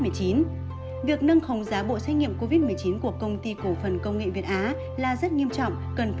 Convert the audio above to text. việc nâng khống giá bộ xét nghiệm covid một mươi chín của công ty cổ phần công nghệ việt á là rất nghiêm trọng cần phải được xử lý nghiêm minh